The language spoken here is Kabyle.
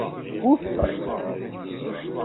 Wufqen.